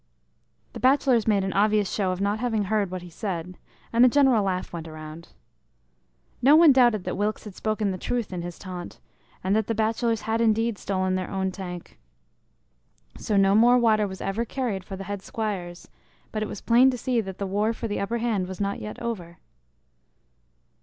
The bachelors made an obvious show of not having heard what he said, and a general laugh went around. No one doubted that Wilkes had spoken the truth in his taunt, and that the bachelors had indeed stolen their own tank. So no more water was ever carried for the head squires, but it was plain to see that the war for the upperhand was not yet over.